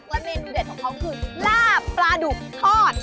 เมนูเด็ดของเขาคือลาบปลาดุกทอด